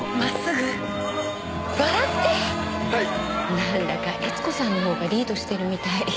なんだか悦子さんの方がリードしてるみたい。